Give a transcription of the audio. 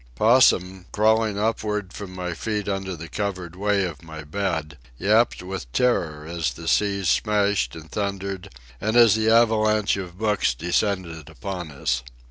Possum, crawling upward from my feet under the covered way of my bed, yapped with terror as the seas smashed and thundered and as the avalanche of books descended upon us.